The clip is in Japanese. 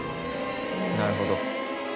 なるほど。